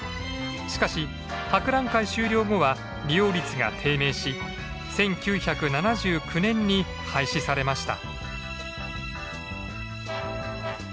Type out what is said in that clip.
しかし博覧会終了後は利用率が低迷し１９７９年に廃止されました。